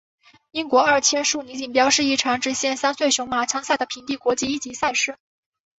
英国二千坚尼锦标是一场只限三岁雄马参赛的平地国际一级赛事。